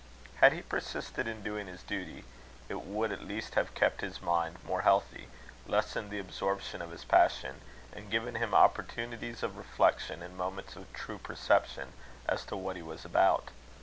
Had he persisted in doing his duty, it would at least have kept his mind more healthy, lessened the absorption of his passion, and given him opportunities of reflection, and moments of true perception as to what he was about.